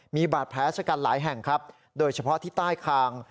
มีบาดแผลชะกันหลายแห่งครับโดยเฉพาะที่ใต้คาง